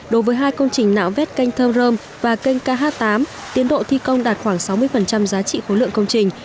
đối với hai công trình nạo vét canh thơ rơm và kênh kh tám tiến độ thi công đạt khoảng sáu mươi giá trị khối lượng công trình